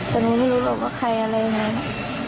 ตอนนี้ไม่รู้เราก็ใครอะไรนะ